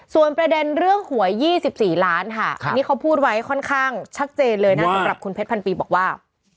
ส่วนประเด็นเรื่องหวย๒๔ล้านค่ะอันนี้เขาพูดไว้ค่อนข้างชัดเจนเลยนะสำหรับคุณเพชรพันปีบอกว่า